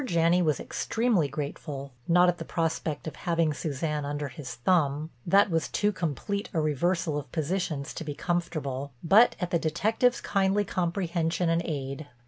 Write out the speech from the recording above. Janney was extremely grateful—not at the prospect of having Suzanne under his thumb, that was too complete a reversal of positions to be comfortable—but at the detective's kindly comprehension and aid.